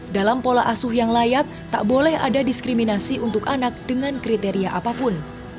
dalam pola asuh yang layak tak boleh ada diskriminasi untuk anak dengan kriteria apapun